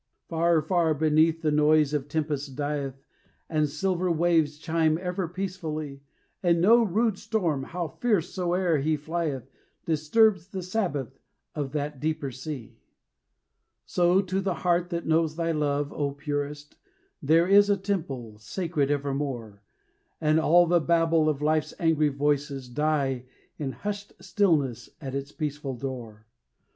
Far, far beneath, the noise of tempest dieth, And silver waves chime ever peacefully, And no rude storm, how fierce soe'er he flieth, Disturbs the Sabbath of that deeper sea. So to the heart that knows thy love, O Purest, There is a temple, sacred evermore, And all the babble of life's angry voices Die in hushed stillness at its peaceful door.